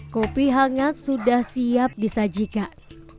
kopi hangat sudah siap disajikan